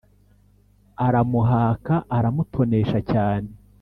aramuhaka, aramutonesha cyane,